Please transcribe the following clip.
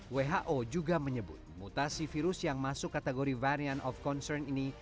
who juga menyebut mutasi virus yang masuk kategori varian of concern ini